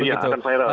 iya akan viral